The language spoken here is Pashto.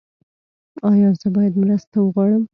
ایا زه باید مرسته وغواړم؟